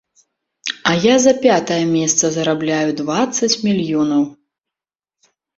А я за пятае месца зарабляю дваццаць мільёнаў.